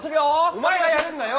お前がやるんだよ。